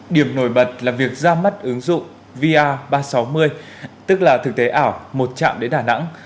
điểm nổi bật là việc ra mắt ứng dụng va ba trăm sáu mươi tức là thực tế ảo một chạm đến đà nẵng